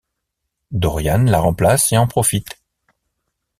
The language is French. Doriane la remplace et en profite.